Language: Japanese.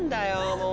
もう。